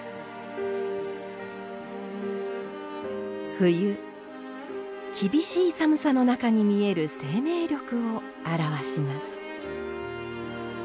冬厳しい寒さの中に見える生命力を表します。